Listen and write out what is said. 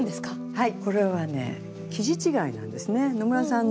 はい。